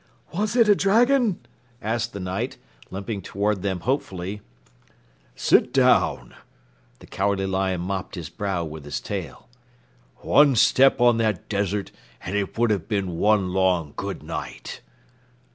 "Was it a dragon?" asked the Knight, limping toward them hopefully. "Sit down!" The Cowardly Lion mopped his brow with his tail. "One step on that desert and it would have been one long goodnight."